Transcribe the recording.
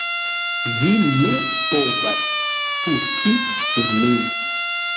Vi ne povas sputi sur min.